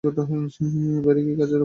বাইরে কি কাজের অভাব।